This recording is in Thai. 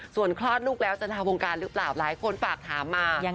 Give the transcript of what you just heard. ส่วนคลอดลูกแล้วจะทำวงการหรือเปล่าหลายคนฝากถามมา